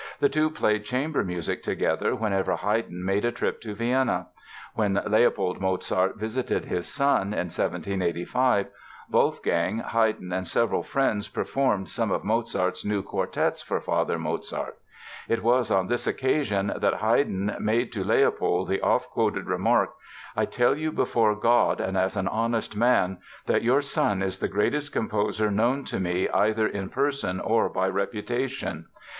The two played chamber music together whenever Haydn made a trip to Vienna. When Leopold Mozart visited his son, in 1785, Wolfgang, Haydn and several friends performed some of Mozart's new quartets for Father Mozart. It was on this occasion that Haydn made to Leopold the oft quoted remark: "I tell you before God and as an honest man that your son is the greatest composer known to me either in person or by reputation.